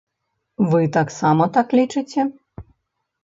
Вы таксама так лічыце?